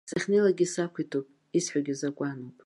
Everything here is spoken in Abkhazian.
Сахьнеилакгьы сақәиҭуп, исҳәогьы закәануп!